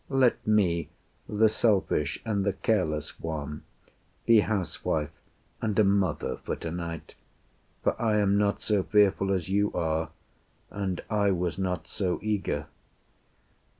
Let me, the selfish and the careless one, Be housewife and a mother for tonight; For I am not so fearful as you are, And I was not so eager."